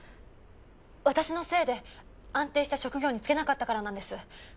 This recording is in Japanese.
私のせいで安定した職業に就けなかったからなんです。